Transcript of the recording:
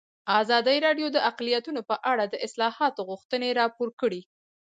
ازادي راډیو د اقلیتونه په اړه د اصلاحاتو غوښتنې راپور کړې.